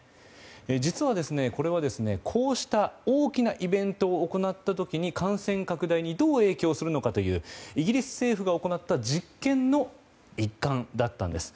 実は、これはこうした大きなイベントを行った時に感染拡大にどう影響するのかというイギリス政府が行った実験の一環だったんです。